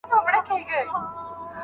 د پوهنتون ټول اصول په پام کي ونیسه.